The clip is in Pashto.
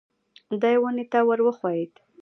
دی ونې ته ور وښوېد.